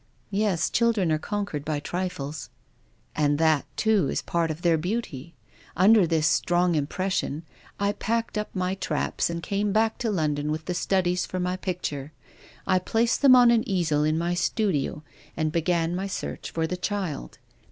"Yes, children are conquered by trifles." " And that, too, is part of their beauty. Under this strong impression, I packed up my traps and came back to London with the studies for my pic ture. I placed them on an easel in my studio and began my search for the child.